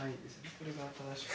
これから新しく。